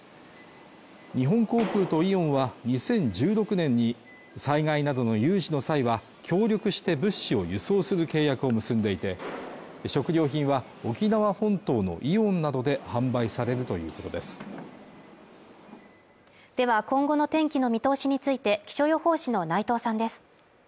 日本航空とイオンは２０１６年に災害などの有事の際は協力して物資を輸送する契約を結んでいて食料品は沖縄本島のイオンなどで販売されるということですでは今後の天気の見通しについて気象予報士の内藤さんです